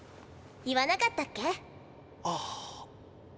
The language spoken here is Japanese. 言わなかったっけ？